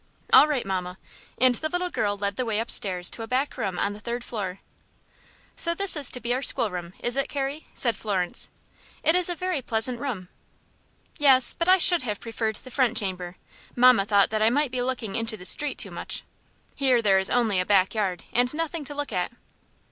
"All right, mamma," and the little girl led the way upstairs to a back room on the third floor. "So this is to be our schoolroom, is it, Carrie?" said Florence. "It is a very pleasant room." "Yes; but I should have preferred the front chamber. Mamma thought that I might be looking into the street too much. Here there is only a back yard, and nothing to look at."